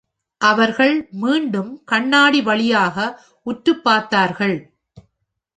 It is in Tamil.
அவர்கள் மீண்டும் கண்ணாடி வழியாக உற்றுப் பார்த்தார்கள்.